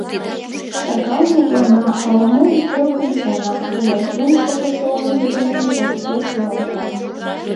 Шагал мутлана, ала-мом келгын шона, оварген шогышо оҥжо дене кожге шӱлалта.